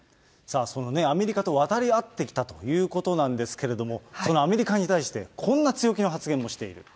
そのアメリカと渡り合ってきたということなんですけれども、そのアメリカに対して、こんな強気な発言もしている。